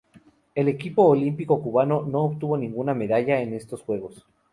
El equipo olímpico cubano no obtuvo ninguna medalla en estos Juegos.